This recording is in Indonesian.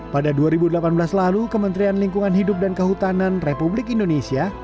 pada dua ribu delapan belas lalu kementerian lingkungan hidup dan kehutanan republik indonesia